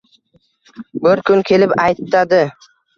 Bir tun kelib aytadi.